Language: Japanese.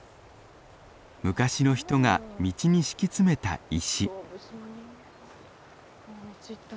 昔の人が道に敷き詰めた石。